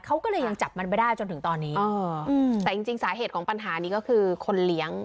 เขาก็เลยยังจับมันไม่ได้จนถึงตอนนี้แต่จริงจริงสาเหตุของปัญหานี้ก็คือคนเลี้ยง